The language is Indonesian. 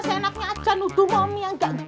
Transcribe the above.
seenaknya aja nuduh mami yang gak enggak